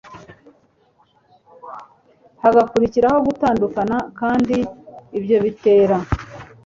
hagakurikiraho gutandukana, kandi ibyo bitera